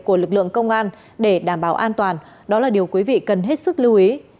của lực lượng công an để đảm bảo an toàn đó là điều quý vị cần hết sức lưu ý